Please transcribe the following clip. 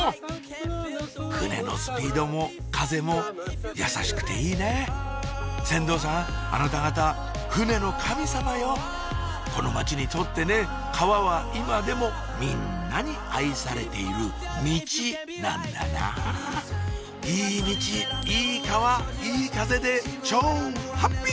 船のスピードも風もやさしくていいね船頭さんあなた方船の神様よこの街にとってね川は今でもみんなに愛されているミチなんだなぁいいミチいい川いい風で超ハッピー！